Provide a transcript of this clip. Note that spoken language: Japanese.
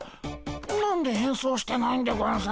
何で変装してないんでゴンス？